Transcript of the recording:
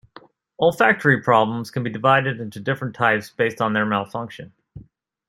Olfactory problems can be divided into different types based on their malfunction.